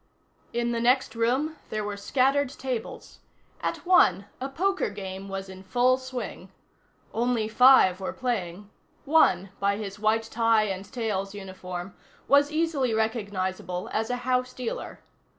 In the next room, there were scattered tables. At one, a poker game was in full swing. Only five were playing; one, by his white tie and tails uniform, was easily recognizable as a house dealer.